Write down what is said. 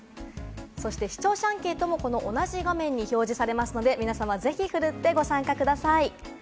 そして視聴者アンケートもこの同じ画面に表示されますので皆さん、ぜひ奮ってご参加ください。